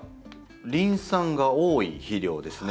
リン酸が多い肥料ですね。